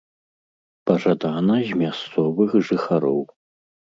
Пажадана з мясцовых жыхароў.